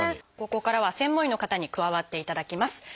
ここからは専門医の方に加わっていただきます。